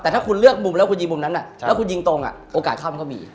แต่ถ้าคุณเลือกมุมแล้วคุณยิงมุมนั้นแล้วคุณยิงตรงโอกาสข้ามก็มี